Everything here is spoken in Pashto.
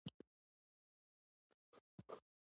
هغه خلک ټول ماندۀ دي